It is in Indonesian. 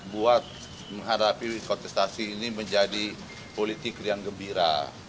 buat menghadapi kontestasi ini menjadi politik yang gembira